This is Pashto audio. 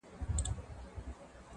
او رحم نه ښکاري-